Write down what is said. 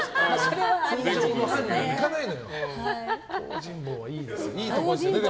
東尋坊はいいところですよね。